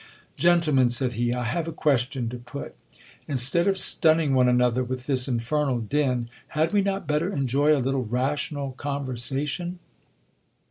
Gentlemen, said he, I have a question to put. Instead of stun ning one another with this infernal din, had we not better enjoy a little rational conversation